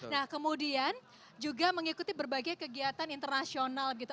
nah kemudian juga mengikuti berbagai kegiatan internasional gitu